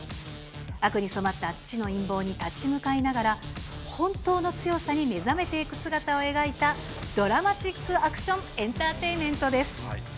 悪に染まった父の陰謀に立ち向かいながら、本当の強さに目覚めていく姿を描いた、ドラマチックアクションエンターテインメントです。